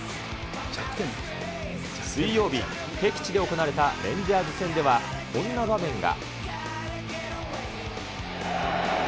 水曜日、敵地で行われたレンジャーズ戦では、こんな場面が。